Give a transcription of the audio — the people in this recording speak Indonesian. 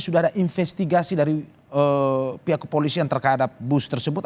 sudah ada investigasi dari pihak kepolisian terhadap bus tersebut